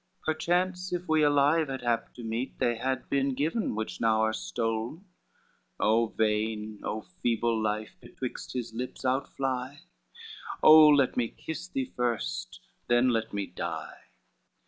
Perchance if we alive had happed to meet, They had been given which now are stolen, O vain, O feeble life, betwixt his lips out fly, Oh, let me kiss thee first, then let me die!